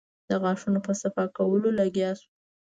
د غاښونو په صفا کولو لگيا سو.